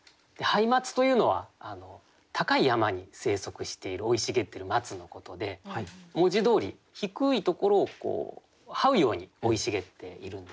松というのは高い山に生息している生い茂ってる松のことで文字どおり低いところをうように生い茂っているんですね。